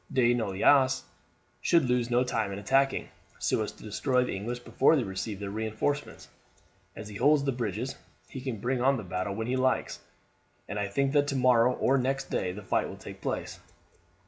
De Noailles should lose no time in attacking, so as to destroy the English before they receive their reinforcements. As he holds the bridges he can bring on the battle when he likes, and I think that tomorrow or next day the fight will take place."